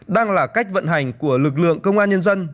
đang là cách vận hành của lực lượng công an nhân dân